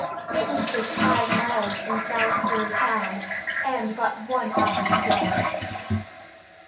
It was just five miles from Salisbury town. And but one hour to day.